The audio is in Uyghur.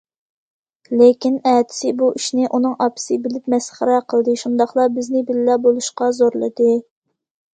لېكىن ئەتىسى بۇ ئىشنى ئۇنىڭ ئاپىسى بىلىپ مەسخىرە قىلدى شۇنداقلا بىزنى بىللە بولۇشقا زورلىدى.